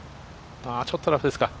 ちょっとラフですか。